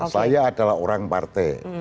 saya adalah orang partai